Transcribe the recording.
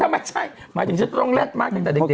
แต่ถ้าไม่ใช่หมายถึงจะตรงแรกมากจากเด็ก